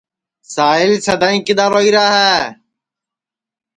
ساہیل سدائی کِدؔا روئی را ہے